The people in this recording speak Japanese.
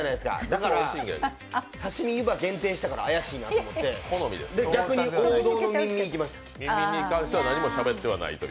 だから、さしみゆば限定したから怪しいなと思って逆に王道のみんみんに行きました。